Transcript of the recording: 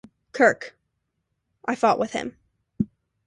Kirk: I fought with him.